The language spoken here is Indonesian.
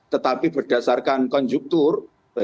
tetapi berdasarkan konjunktur